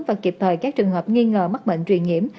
và kịp thời các trường hợp nghi ngờ mắc bệnh truyền nhiễm